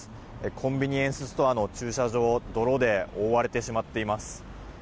コンビニエンスストアの駐車場も泥で覆われてしまっています。